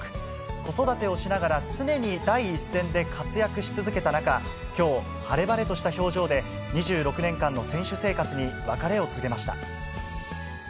子育てをしながら常に第一線で活躍し続けた中、きょう、晴れ晴れとした表情で２６年間の選手生活に別れを告げました。